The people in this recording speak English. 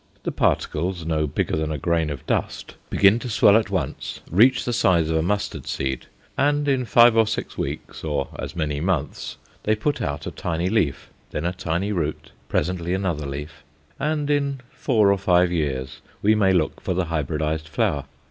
The particles, no bigger than a grain of dust, begin to swell at once, reach the size of a mustard seed, and in five or six weeks or as many months they put out a tiny leaf, then a tiny root, presently another leaf, and in four or five years we may look for the hybridized flower.